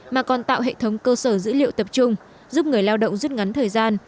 mà còn tạo hệ thống cơ sở dữ liệu tập trung giúp người lao động rút ngắn thời gian